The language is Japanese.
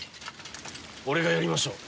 俺がやりましょう。